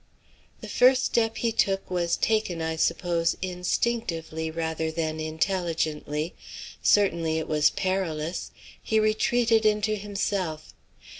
The first step he took was taken, I suppose, instinctively rather than intelligently; certainly it was perilous: he retreated into himself.